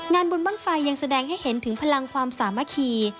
งานบุญบ้างไฟยังแสดงให้เห็นถึงพลังความสามัคคี